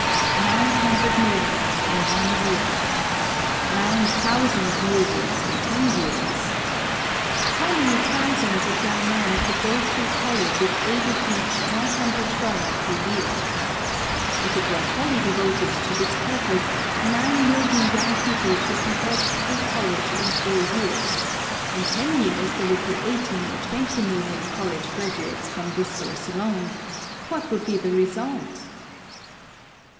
Nine hundred millions in one year. Nine thousand millions in ten years. How many thousands of young men could go through college if aided each, $100 per year. If it were wholly devoted to this purpose nine million young people could be helped through college in four years in ten years there would be eighteen or twenty million college graduates from this source alone, what would be the result.